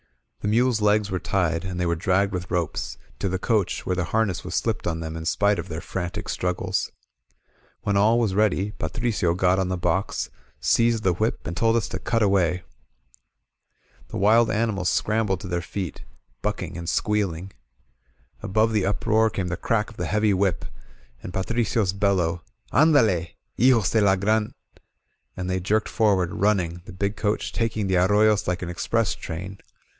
The mules' legs were tied, and they were dragged with ropes; to the coach, where the harness was slipped on them in spite of their frantic struggles. When all was ready, Patricio got on the box, seized the whip, and told us to cut away. The wild animals scrambled to their feet, bucking and squealing. Above the uproar came the crack of the heavy whip, and Patricio's bel low: ''Anddlet hijos de la Gran* Ch /" and they jerked forward, running, the big coach taking the ar royos like an express train.